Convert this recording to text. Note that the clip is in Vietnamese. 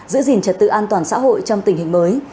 giữ gìn trật tự an toàn xã hội trong tình hình mới